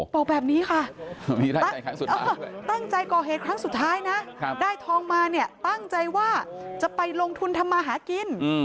บอกแบบนี้ค่ะตั้งใจก่อเหตุครั้งสุดท้ายนะได้ทองมาเนี่ยตั้งใจว่าจะไปลงทุนทำมาหากิน